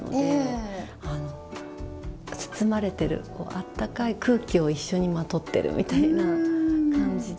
あったかい空気を一緒にまとってるみたいな感じで。